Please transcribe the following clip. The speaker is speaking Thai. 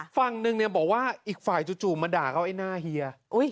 ฝั่งหนึ่งเนี่ยบอกว่าอีกฝ่ายจู่มาด่าเขาไอ้หน้าเฮีย